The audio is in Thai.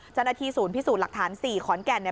เจ้าหน้าที่ศูนย์พิสูจน์หลักฐาน๔ขอนแก่นเนี่ย